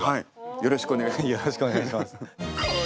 よろしくお願いします。